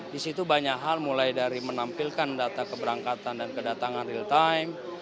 di situ banyak hal mulai dari menampilkan data keberangkatan dan kedatangan real time